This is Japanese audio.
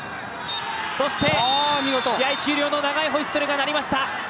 そして試合終了の長いホイッスルが鳴りました。